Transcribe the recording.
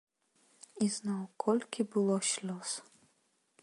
Ізноў колькі было слёз!